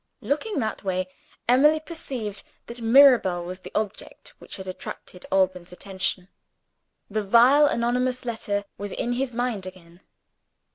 Looking that way, Emily perceived that Mirabel was the object which had attracted Alban's attention. The vile anonymous letter was in his mind again.